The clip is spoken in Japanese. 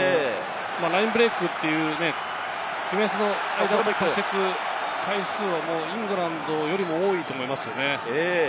ラインブレイクっていうディフェンスの間を越していく回数はイングランドよりも多いと思いますね。